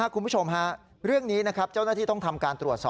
คุณผู้ชมฮะเรื่องนี้นะครับเจ้าหน้าที่ต้องทำการตรวจสอบ